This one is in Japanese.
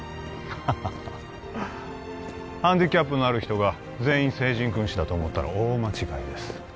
ハハハハハンディキャップのある人が全員聖人君子だと思ったら大間違いです